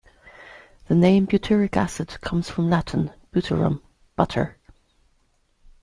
The name "butyric acid" comes from Latin "butyrum", butter.